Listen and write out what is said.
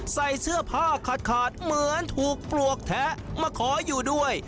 ใส่เสื้อผ้าขาดขาดเหมือนถูกปลวกแท้มาขออยู่ด้วย